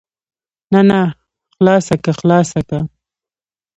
نه نه خلاصه که خلاصه که.